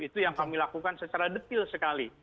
itu yang kami lakukan secara detil sekali